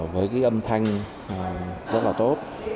với cái âm thanh rất là tốt